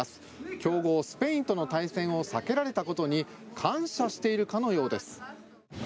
強豪スペインとの対戦を避けられたことに感謝しているかのようです。